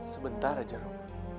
sebentar aja rum